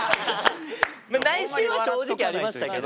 内心は正直ありましたけど。